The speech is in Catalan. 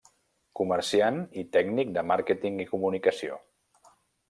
Comerciant i tècnic de màrqueting i comunicació.